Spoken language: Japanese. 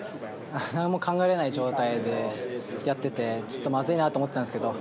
何も考えられない状態でやっててまずいなと思ってたんですけど